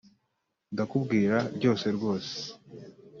ndakubwira byose rwose